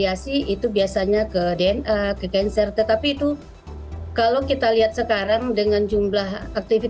tetapi itu kalau kita lihat sekarang dengan jumlah aktivitas yang ada di perairan itu masih jauh sekali